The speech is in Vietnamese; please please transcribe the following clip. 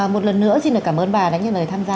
một lần nữa xin được cảm ơn bà đã nhận lời tham gia